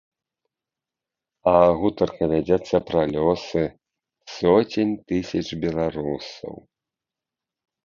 А гутарка вядзецца пра лёсы соцень тысяч беларусаў.